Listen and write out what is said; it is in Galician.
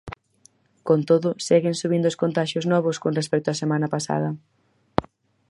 Con todo, seguen subindo os contaxios novos con respecto á semana pasada.